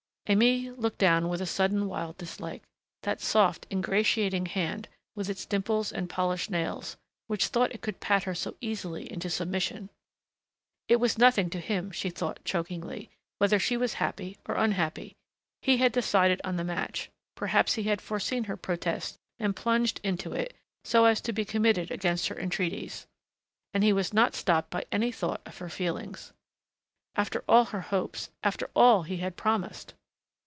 Aimée looked down with a sudden wild dislike.... That soft, ingratiating hand, with its dimples and polished nails, which thought it could pat her so easily into submission.... It was nothing to him, she thought, chokingly, whether she was happy or unhappy. He had decided on the match perhaps he had foreseen her protests and plunged into it, so as to be committed against her entreaties! and he was not stopped by any thought of her feelings. After all her hopes! After all he had promised!